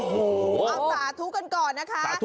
โอ้โหเอาสาธุกันก่อนนะคะ